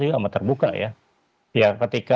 juga amat terbuka ya ya ketika